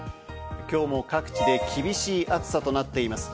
今日も各地で厳しい暑さとなっています。